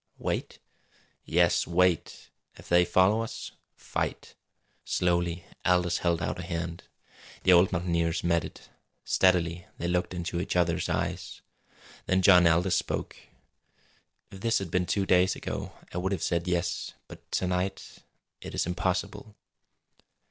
"Wait?" "Yes wait. If they follow us fight!" Slowly Aldous held out a hand. The old mountaineer's met it. Steadily they looked into each other's eyes. Then John Aldous spoke: "If this had been two days ago I would have said yes. But to night it is impossible."